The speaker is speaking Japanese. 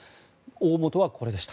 大本はこれでした。